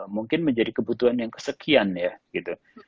mungkin menjadi kebutuhan yang kesekian ya gitu